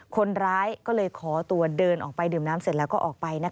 คนร้ายก็เลยขอตัวเดินออกไปดื่มน้ำเสร็จแล้วก็ออกไป